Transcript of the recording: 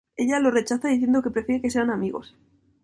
Ella lo rechaza, diciendo que prefiere que sean amigos.